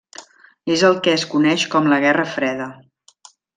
És el que es coneix com la Guerra Freda.